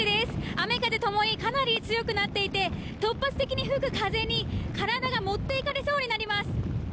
雨風ともにかなり強くなっていて突発的に吹く風に体が持っていかれそうになります。